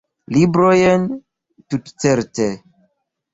Librojn, tutcerte.